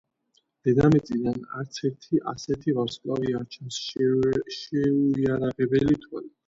დედამიწიდან არც ერთი ასეთი ვარსკვლავი არ ჩანს შეუიარაღებელი თვალით.